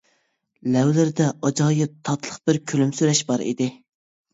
لەۋلىرىدە ئاجايىپ تاتلىق بىر كۈلۈمسىرەش بار ئىدى.